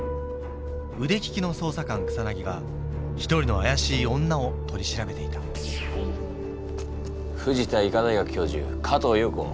腕利きの捜査官草が一人の怪しい女を取り調べていた藤田医科大学教授加藤庸子。